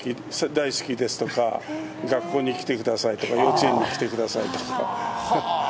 大好きですとか、学校に来てくださいとか、幼稚園に来てくださいとか。